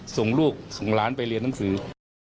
ส่งลูกส่งหลานไปเรียนหนังสือ